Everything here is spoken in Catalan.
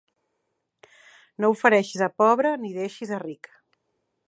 No ofereixis a pobre, ni deixis a ric.